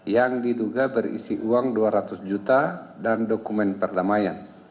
yang diduga berisi uang dua ratus juta dan dokumen perdamaian